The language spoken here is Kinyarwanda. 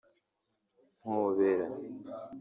‘Mpobera’